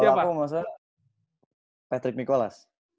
kalau aku maksudnya patrick mikolas